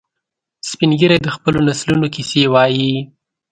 سپین ږیری د خپلو نسلونو کیسې وایي